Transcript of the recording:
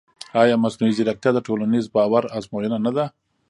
ایا مصنوعي ځیرکتیا د ټولنیز باور ازموینه نه ده؟